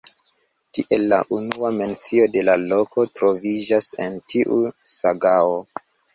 Tiel la unua mencio de la loko troviĝas en tiu sagao.